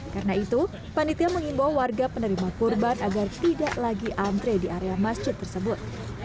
karena itu panitia mengimbau warga penerima kurban agar tidak lagi antre di area masjid tersebut